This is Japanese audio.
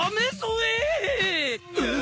えっ！？